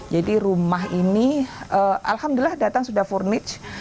jadi rumah ini alhamdulillah datang sudah furnit